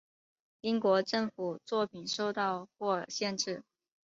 英国政府作品受到或限制。